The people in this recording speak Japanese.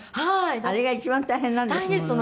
あれが一番大変なんですものね。